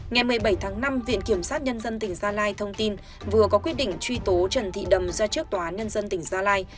ngày một mươi bảy tháng năm viện kiểm sát nhân dân tỉnh gia lai thông tin vừa có quyết định truy tố trần thị đầm ra trước tòa án nhân dân tỉnh gia lai